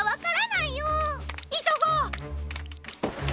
いそごう！